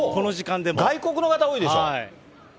外国の方、多いでしょう。